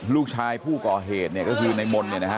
ลูกชายผู้ก่อเหตุเนี่ยก็คือในมนต์เนี่ยนะฮะ